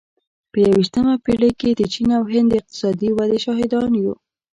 په یوویشتمه پېړۍ کې د چین او هند د اقتصادي ودې شاهدان یو.